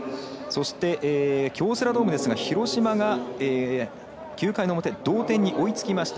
京セラドームですが広島が９回の表同点に追いつきました。